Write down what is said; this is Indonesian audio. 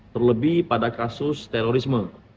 terlebih pada kasus terorisme